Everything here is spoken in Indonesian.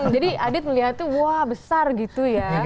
jadi adit melihat itu wah besar gitu ya